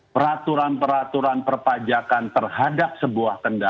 peraturan peraturan perpajakan terhadap sebuah kendala